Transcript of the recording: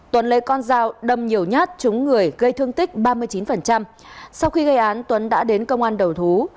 tuấn lấy con dao đâm nhiều nhát trúng người gây thương tích ba mươi chín sau khi gây án tuấn đã đến công an đầu thú